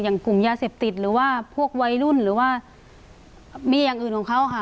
กลุ่มยาเสพติดหรือว่าพวกวัยรุ่นหรือว่ามีอย่างอื่นของเขาค่ะ